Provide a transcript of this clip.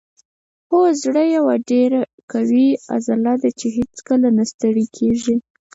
هو زړه یوه ډیره قوي عضله ده چې هیڅکله نه ستړې کیږي